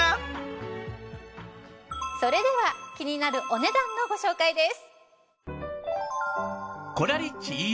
それでは気になるお値段のご紹介です。